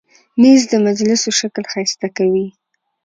مېز د مجلسو شکل ښایسته کوي.